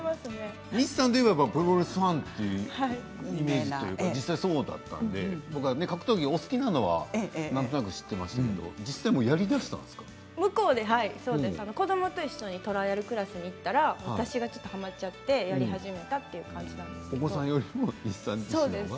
西さんといえばプロレスファンというイメージというか実際そうだったので格闘技がお好きなのはなんとなく知っていましたけれども実際に向こうで子どもと一緒にトライアルクラスに行ったら私がはまっちゃってお子さんよりも西さん自身が？